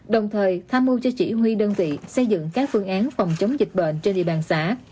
đồng thời tham mưu cho chỉ huy đơn vị xây dựng các phương án phòng chống dịch bệnh trên địa bàn xã